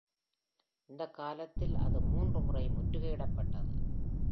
இந்த காலத்தில் அது மூன்று முறை முற்றுகையிடப்பட்டது.